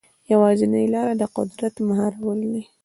یوازینۍ لاره د قدرت مهارول دي.